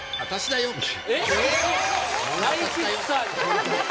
私だよ。